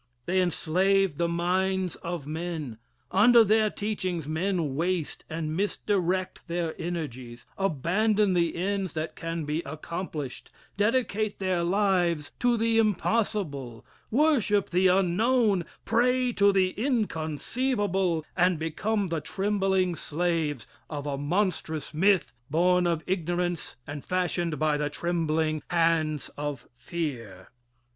They enslave the minds of men. Under their teachings men waste and misdirect their energies, abandon the ends that can be accomplished, dedicate their lives to the impossible, worship the unknown, pray to the inconceivable, and become the trembling slaves of a monstrous myth born of ignorance and fashioned by the trembling hands of fear.